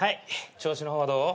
調子の方はどう？